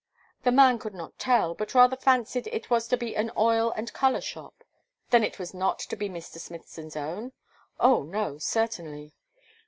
The man could not tell, but rather fancied it was to be an oil and colour shop. Then it was not to be Mr. Smithson's own? Oh, no, certainly!